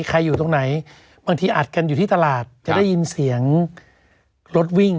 ใครอยู่ตรงไหนบางทีอัดกันอยู่ที่ตลาดจะได้ยินเสียงรถวิ่ง